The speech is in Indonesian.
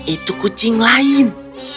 itu kucing lain